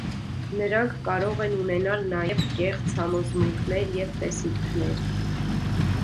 Նրանք կարող են ունենալ նաև կեղծ համոզմունքներ և տեսիլքներ։